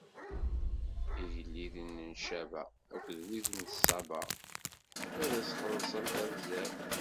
Igelliden n Caba akked wid n Saba ad as-xellṣen tabzert.